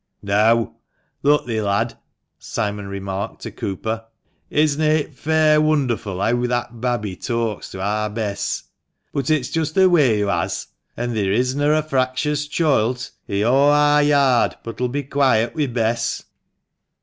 " Neaw, luk thi, lad," Simon remarked to Cooper ;" is na it fair wonderful heaw that babby taks to ar Bess ? But it's just a way hoo has, an' theere is na a fractious choilt i' a' ar yard but'll be quiet wi' Bess."